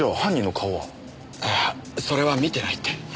ああそれは見てないって。